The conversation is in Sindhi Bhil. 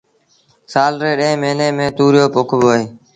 سآل ري ڏهين موهيݩي ميݩ تُوريو پوکبو اهي